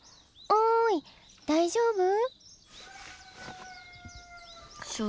おい大丈夫？